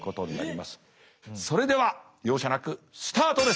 それでは容赦なくスタートです。